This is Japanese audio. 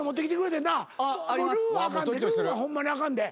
「ルー」はホンマにあかんで。